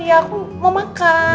ya aku mau makan